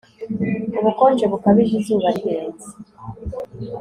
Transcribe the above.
Ubukonje bukabije izuba rirenze